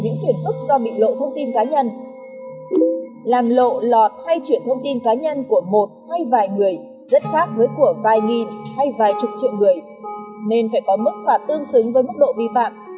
người rất khác với của vài nghìn hay vài chục triệu người nên phải có mức phạt tương xứng với mức độ bi phạm